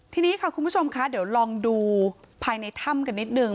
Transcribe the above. ทีนี้ค่ะคุณผู้ชมคะเดี๋ยวลองดูภายในถ้ำกันนิดนึง